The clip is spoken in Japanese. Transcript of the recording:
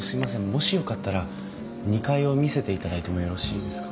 もしよかったら２階を見せて頂いてもよろしいですか？